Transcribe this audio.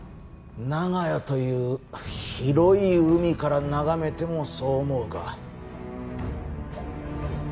長屋という広い海から眺めてもそう思うか？